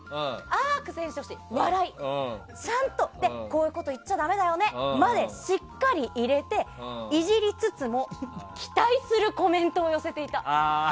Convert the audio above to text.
ああ、苦戦してほしいこういうこと言っちゃだめだよねまでしっかり入れてイジりつつも期待するコメントを寄せていたって。